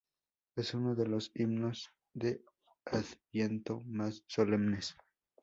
Es uno de los himnos de Adviento más solemnes.